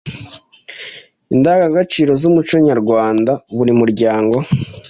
Indangagaciro z’umuco w’u Rwanda buri muryango